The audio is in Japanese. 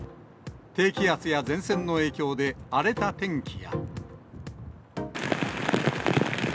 低気圧や前線の影響で、荒れた天気や。